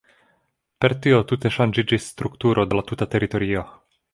Per tio tute ŝanĝiĝis strukturo de la tuta teritorio.